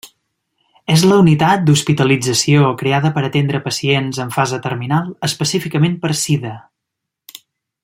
És la unitat d'hospitalització creada per atendre pacients en fase terminal específicament per sida.